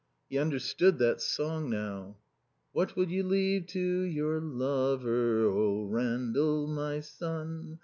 '" He understood that song now. "'What will you leave to your lover, Rendal, my son?